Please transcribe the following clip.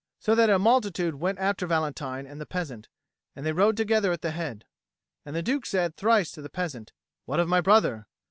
So that a multitude went after Valentine and the peasant, and they rode together at the head. And the Duke said thrice to the peasant, "What of my brother?"